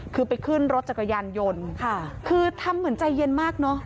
คือไปขึ้นรถจักรยานยนต์ค่ะคือทำเหมือนใจเย็นมากเนอะ